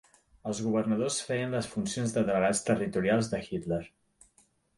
Els governadors feien les funcions de delegats territorials de Hitler.